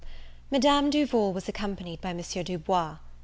MADAM DUVAL was accompanied by Monsieur Du Bois.